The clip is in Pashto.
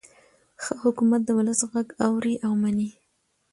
ښه حکومت د ولس غږ اوري او مني.